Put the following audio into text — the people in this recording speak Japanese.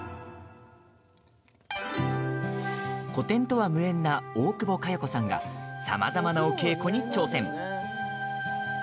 古典とは無縁な大久保佳代子さんがさまざまな、お稽古に挑戦。